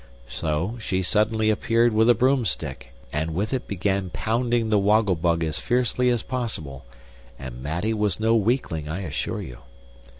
So she suddenly appeared with a broomstick, and with it began pounding the Woggle Bug as fiercely as possible and Mattie was no weakling, I assure you.